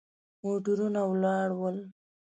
موټرونه ولاړ ول.